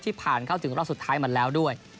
ผ่านเข้าถึงรอบสุดท้ายมาแล้วด้วย